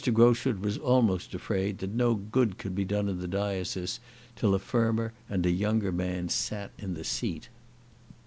Groschut was almost afraid that no good could be done in the diocese till a firmer and a younger man sat in the seat.